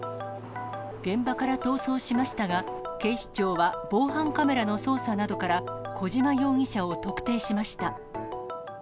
現場から逃走しましたが、警視庁は防犯カメラの捜査などから、小島容疑者を特定しました。